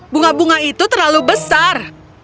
bunga bunga itu terlalu besar